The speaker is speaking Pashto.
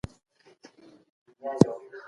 چا چي کتاب لوستی وي هغه فرق کوي.